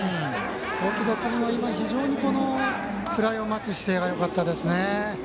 大城戸君も非常にフライを待つ姿勢がよかったですね。